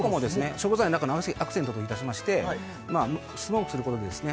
食材の中のアクセントといたしましてスモークすることでですね